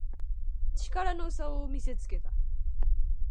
力の差を見せつけた